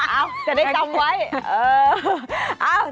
เออจะได้จำไว้